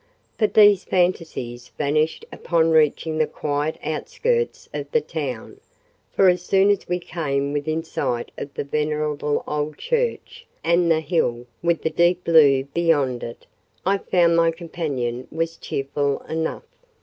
But these fantasies vanished upon reaching the quiet outskirts of the town; for as soon as we came within sight of the venerable old church, and the —— hill, with the deep blue beyond it, I found my companion was cheerful enough.